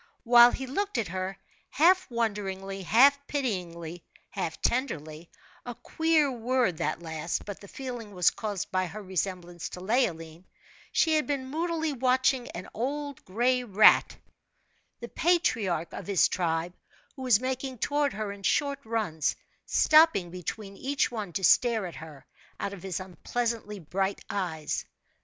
While he looked at her, half wonderingly, half pityingly, half tenderly a queer word that last, but the feeling was caused by her resemblance to Leoline she had been moodily watching an old gray rat, the patriarch of his tribe, who was making toward her in short runs, stopping between each one to stare at her, out of his unpleasantly bright eyes.